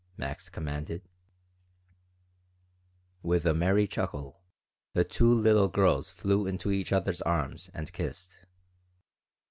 Max commanded With a merry chuckle the two little girls flew into each other's arms and kissed.